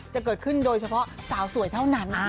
จะเกิดขึ้นโดยเฉพาะสาวสวยเท่านั้น